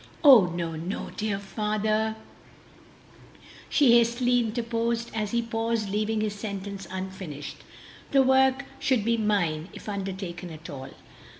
"Oh no! no! my dear father," she hastily interposed, as he paused, leaving his sentence unfinished, "the work should be mine if undertaken at all."